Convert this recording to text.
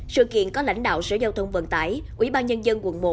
sự kiện có lãnh đạo sở giao thông vận tải quỹ ban nhân dân quận một